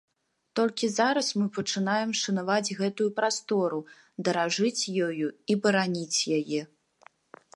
Толькі зараз мы пачынаем шанаваць гэтую прастору, даражыць ёю і бараніць яе.